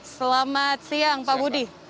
selamat siang pak budi